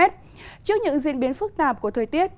trước những diễn biến phức tạp của thời tiết